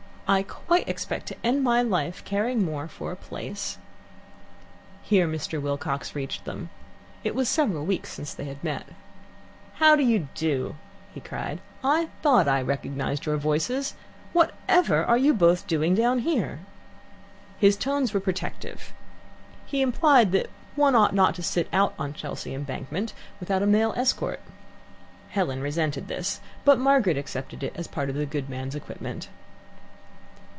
I quite expect to end my life caring most for a place." Here Mr. Wilcox reached them. It was several weeks since they had met. "How do you do?" he cried. "I thought I recognized your voices. Whatever are you both doing down here?" His tones were protective. He implied that one ought not to sit out on Chelsea Embankment without a male escort. Helen resented this, but Margaret accepted it as part of the good man's equipment.